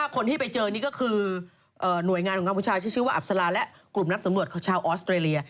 คนที่ไปเจอนี่ก็คือหน่วยงานของกัมพูชาที่ชื่อว่าอับสลาและกลุ่มนักสำรวจชาวออสเตรเลีย